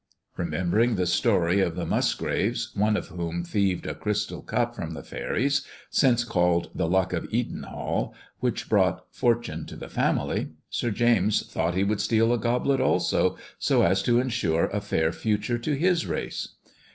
Pvemembering the story of the Musgraves, one of whom thieved a crystal cup from the faeries, since called the Luck of Edenhall, which brought fortune to the family, Sir James thought he would steal a goblet also, so as to ensure a fair future to his race.